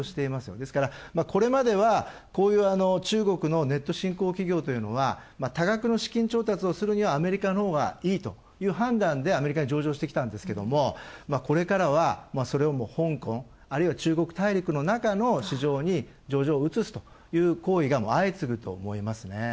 ですから、これまでは、こういう中国のネット新興企業というのは多額の資金調達をするにはアメリカのほうがいいということで判断でアメリカに上場してきたんですけどもこれからはそれを香港あるいは中国大陸の中の市場に上場を移すという行為が相次ぐと思いますね。